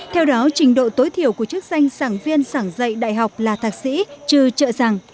theo đó trình độ tối thiểu của chức danh sảng viên sảng dạy đại học là thạc sĩ trừ trợ giảng